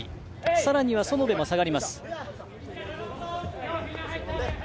さらには園部が下がります。